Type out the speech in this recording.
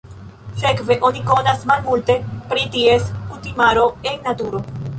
Sekve oni konas malmulte pri ties kutimaro en naturo.